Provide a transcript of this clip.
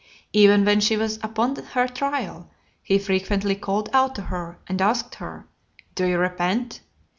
Even when she was upon her trial, he frequently called out to her, and asked her, "Do you repent?"